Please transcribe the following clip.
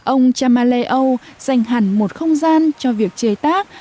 ông chamaleo dành hẳn một không gian cho việc chế tác